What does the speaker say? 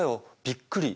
びっくり！